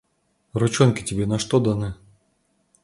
Ручонки тебе на что даны?